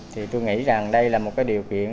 thì tôi nghĩ rằng đây là một điều kiện